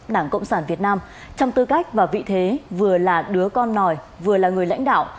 đảng cộng sản việt nam trong tư cách và vị thế vừa là đứa con nòi vừa là người lãnh đạo